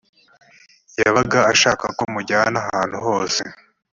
yabaga ashaka ko mujyana ahantu hose